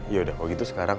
yaudah kalo gitu sekarang